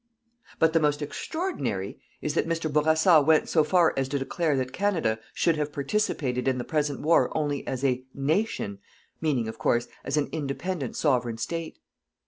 But the most extraordinary is that Mr. Bourassa went so far as to declare that Canada should have participated in the present war only as a "Nation," meaning, of course, as an independent Sovereign State.